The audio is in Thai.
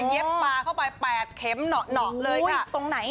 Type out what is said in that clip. เย็บปลาเข้าไปแปดเข็มหนอกหนอกเลยค่ะอุ้ยตรงไหน